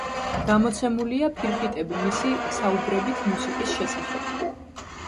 გამოცემულია ფირფიტები მისი „საუბრებით მუსიკის შესახებ“.